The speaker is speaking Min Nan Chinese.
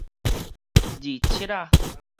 二七仔